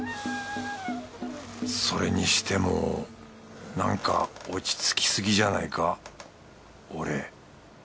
それにしてもなんか落ち着きすぎじゃないか俺。